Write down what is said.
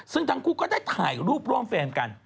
ซึ่งทั้งคู่ก็ได้ถ่ายรูปร่วมแฟนกัน